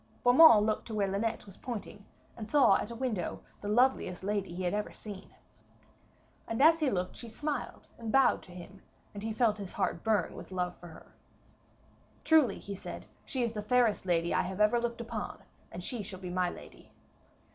Beaumains looked to where Linet was pointing, and saw at a window the loveliest lady he had ever seen. And as he looked she smiled and bowed to him, and he felt his heart burn with love for her. 'Truly,' he said, 'she is the fairest lady I have ever looked upon, and she shall be my lady.'